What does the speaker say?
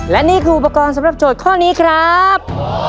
และนี่คืออุปกรณ์สำหรับโจทย์ข้อนี้ครับ